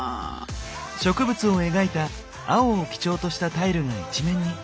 植物を描いた青を基調としたタイルが一面に。